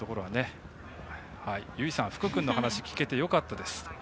結実さん、福くんの話を聞けてよかったですと。